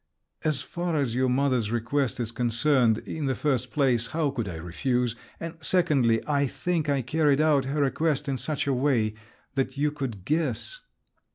As far as your mother's request is concerned—in the first place, how could I refuse?—and secondly, I think I carried out her request in such a way that you could guess…."